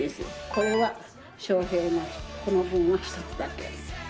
これは翔平の、この辺の１つだけ。